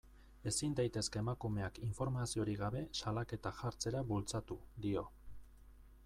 Ezin daitezke emakumeak informaziorik gabe salaketak jartzera bultzatu, dio.